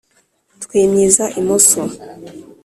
twimyiza imoso